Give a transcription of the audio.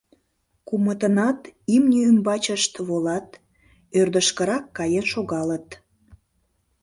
Кумытынат имне ӱмбачышт волат, ӧрдыжкырак каен шогалыт.